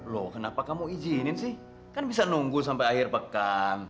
loh kenapa kamu izinin sih kan bisa nunggu sampai akhir pekan